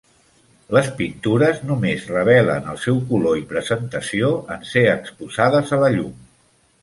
Les pintures només revelen el seu color i presentació en ser exposades a la llum.